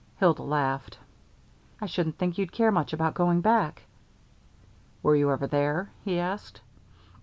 Hilda laughed. "I shouldn't think you'd care much about going back." "Were you ever there?" he asked.